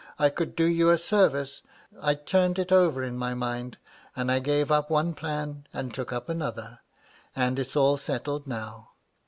I could do you a service, I turned it over in my mind, and I gave up one plan and took up another, and it's all settled now.